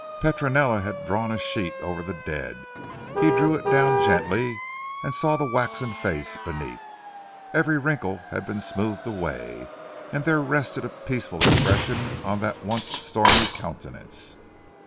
Petronella had drawn a sheet over the dead. He drew it down gently, and saw the waxen face beneath. Every wrinkle had been smoothed away, and there rested a peaceful expression on that once stormy countenance.